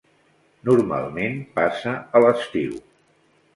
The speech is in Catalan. Normalment passa a l'estiu.